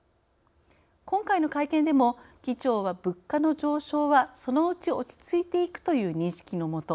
今回の会見でも議長は物価の上昇はそのうち落ち着いていくという認識のもと